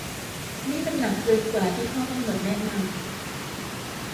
นี่มันหนักเกินกว่าที่ข้อกำหนดแนะนำ